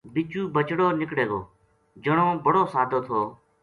بِچو بچڑو نکڑے گو ". جنو بڑو سادو تھو